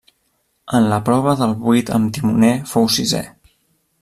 En la prova del vuit amb timoner fou sisè.